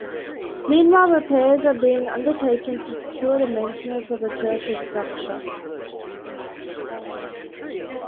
Meanwhile, repairs are being undertaken to secure the maintenance of the church's structure.